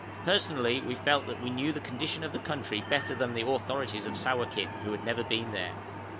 Personally we felt that we knew the condition of the country better than the authorities of Sawakin, who had never been there.